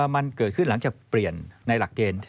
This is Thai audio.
มันเกิดขึ้นหลังจากเปลี่ยนในหลักเกณฑ์